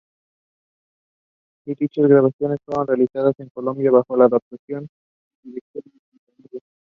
Y dichas grabaciones fueron realizadas en Colombia, bajo la adaptación y dirección de Quintanilla.